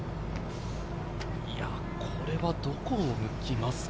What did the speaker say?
これはどこを向きますか？